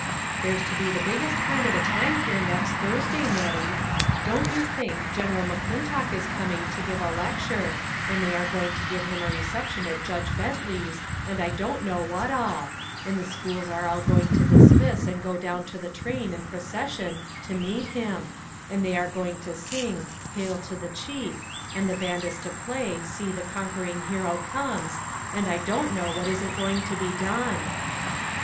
"There's to be the biggest kind of a time here next Thursday, Nettie; don't you think General McClintock is coming, to give a lecture, and they are going to give him a reception at Judge Bentley's and I don't know what all, and the schools are all going to dismiss and go down to the train in procession to meet him, and they are going to sing, Hail to the Chief, and the band is to play, See, the conquer ing Hero comes, and I don't know what isn't going to be done."